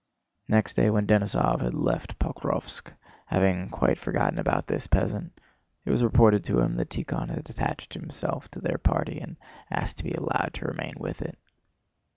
Next day when Denísov had left Pokróvsk, having quite forgotten about this peasant, it was reported to him that Tíkhon had attached himself to their party and asked to be allowed to remain with it.